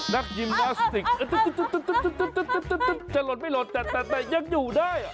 นักยิมนาสติกจะลดไม่ลดแต่ยังอยู่ได้